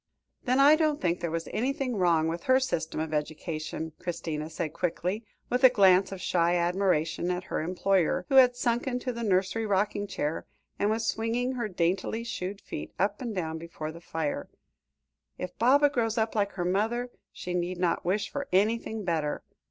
"Then I don't think there was anything wrong with her system of education," Christina said quickly, with a glance of shy admiration at her employer, who had sunk into the nursery rocking chair, and was swinging her daintily shod feet up and down before the fire; "if Baba grows up like her mother, she need not wish for anything better.